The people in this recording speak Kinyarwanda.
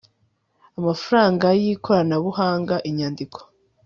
amafaranga y ikoranabuhanga inyandiko